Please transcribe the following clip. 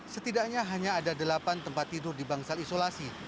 setidaknya hanya ada delapan tempat tidur di bangsal isolasi